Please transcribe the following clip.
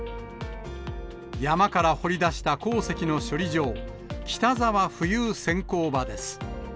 山から掘り出した鉱石の処理場、北沢浮遊選鉱場です。